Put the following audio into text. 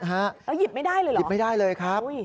แล้วหยิบไม่ได้เลยเหรอหยิบไม่ได้เลยครับ